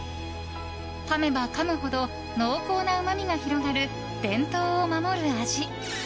かめばかむほど濃厚なうまみが広がる伝統を守る味。